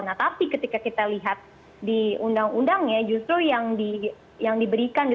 nah tapi ketika kita lihat di undang undangnya justru yang diberikan